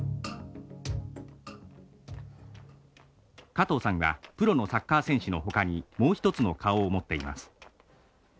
加藤さんはプロのサッカー選手のほかにもう一つの顔を持っています。